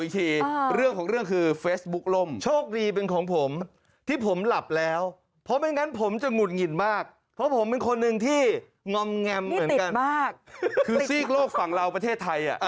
คือซีกโลกฝั่งเราประเทศไทย